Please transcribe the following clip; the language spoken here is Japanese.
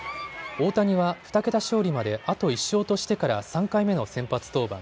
大谷は２桁勝利まであと１勝としてから３回目の先発登板。